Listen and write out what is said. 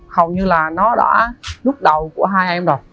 hầu như là nó đã đút đầu của hai em rồi